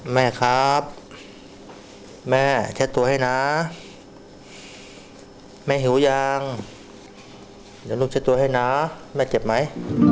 แม่ครับแม่เช็ดตัวให้นะแม่หิวยังเดี๋ยวลูกเช็ดตัวให้นะแม่เจ็บไหม